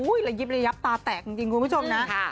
ระยิบระยับตาแตกจริงคุณผู้ชมนะ